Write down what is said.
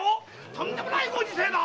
とんでもないご時世だ！